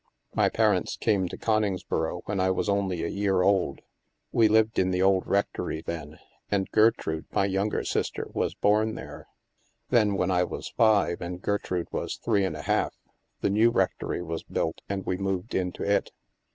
My parents came to Coningsboro when I was only a year old; we lived in the old rectory then, and Gertrude, my younger sister, was born there. Then, when I was five, and Gertrude was three and a half, the new rectory was built, and we moved into it.